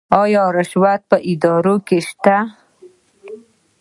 آیا رشوت په ادارو کې شته؟